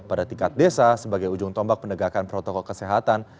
pada tingkat desa sebagai ujung tombak pendegakan protokol kesehatan